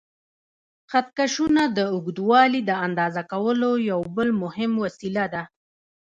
خط کشونه د اوږدوالي د اندازه کولو یو بل مهم وسیله ده.